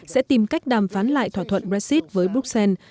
sẽ tìm cách đàm phán lại thỏa thuận brexit với bruxelles